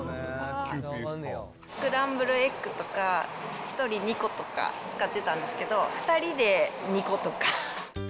スクランブルエッグとか、１人２個とか使ってたんですけど、２人で２個とか。